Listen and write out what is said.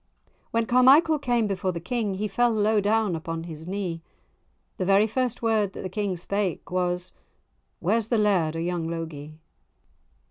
When Carmichael came before the King, He fell low down upon his knee; The very first word that the King spake, Was—"Where's the laird of young Logie?"